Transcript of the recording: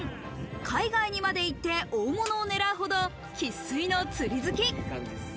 海外にまで行って、大物を狙うほど、生粋の釣り好き。